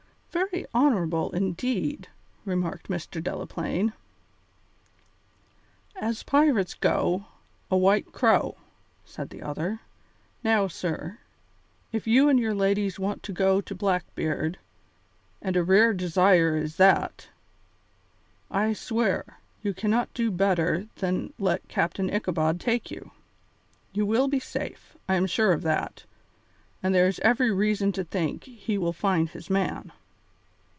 "Very honourable, indeed," remarked Mr. Delaplaine. "As pirates go, a white crow," said the other. "Now, sir, if you and your ladies want to go to Blackbeard, and a rare desire is that, I swear, you cannot do better than let Captain Ichabod take you. You will be safe, I am sure of that, and there is every reason to think he will find his man."